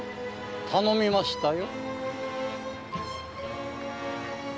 頼みましたよ。